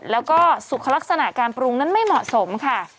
แล้วก็สุขลักษณะการปรุงนั้นไม่เหมาะสมค่ะ